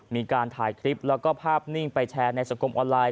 มีการถ่ายคลิปแล้วก็ภาพนิ่งไปแชร์ในสังคมออนไลน